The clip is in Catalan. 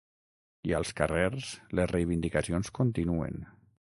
I als carrers, les reivindicacions continuen.